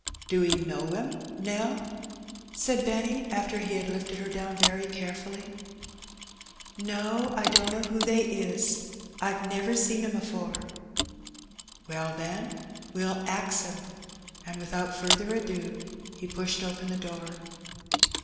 ''Do 'e know 'em, Nell?'' said Benny, after he had lifted her down very carefiilly. ''No, I dunno who they is; I've never seen 'em afore." "Well, then, we'll ax 'em." And without farther ado he pushed open the door.